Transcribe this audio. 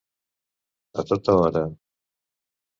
A tota hora.